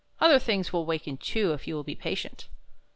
" Other things will waken too, if you will be patient."